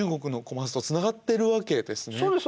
そうです